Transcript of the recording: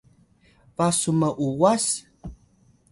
ba su m’uwas?